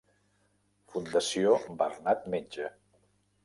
Fundació Bernat Metge.